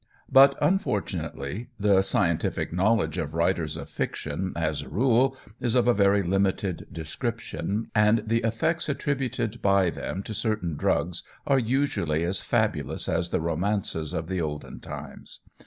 But unfortunately, the scientific knowledge of writers of fiction, as a rule, is of a very limited description, and the effects attributed by them to certain drugs are usually as fabulous as the romances of the olden times.